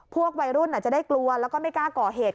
พวกวัยรุ่นอาจจะได้กลัวแล้วก็ไม่กล้าก่อเหตุ